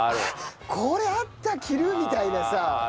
「これあった！着る」みたいなさ。